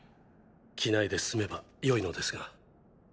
着ないで済めば良いのですが。